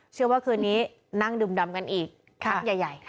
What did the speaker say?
เชื่อว่าคืนนี้นั่งดึมดำกันอีกทางใหญ่